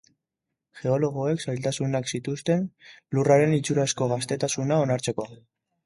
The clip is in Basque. Geologoek zailtasunak zituzten Lurraren itxurazko gaztetasuna onartzeko.